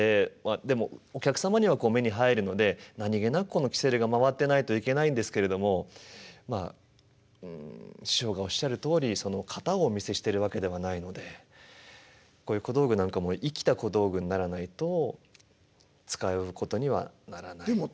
でもお客様には目に入るので何気なくこのきせるが回ってないといけないんですけれどもまあうん師匠がおっしゃるとおり型をお見せしてるわけではないのでこういう小道具なんかも生きた小道具にならないと使うことにはならない。